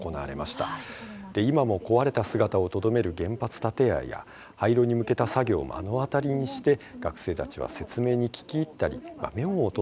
今も壊れた姿をとどめる原発建屋や廃炉に向けた作業を目の当たりにして学生たちは説明に聞き入ったりメモを取ったりしていました。